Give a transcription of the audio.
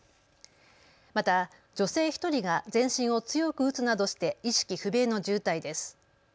また女性１人が全身を強く打つなどして意識不明の重体です。